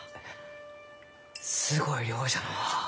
すごい量じゃのう。